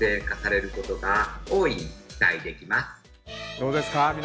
どうですか？